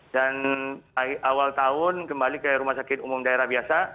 dan awal tahun kembali ke rumah sakit umum daerah biasa